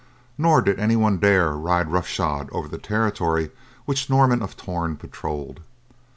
Nor did anyone dare ride rough shod over the territory which Norman of Torn patrolled.